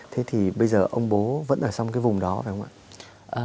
thế thì bây giờ ông bố vẫn ở trong cái vùng đó phải không ạ